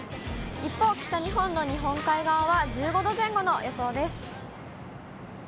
一方、北日本の日本海側は１５度前後の予想です。